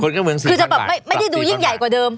คือจะแบบไม่ได้ดูยิ่งใหญ่กว่าเดิม